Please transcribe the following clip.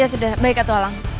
ya sudah baik atualang